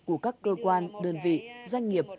của các cơ quan đơn vị doanh nghiệp